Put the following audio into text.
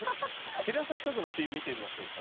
テレ朝近くのピン見てみましょうか。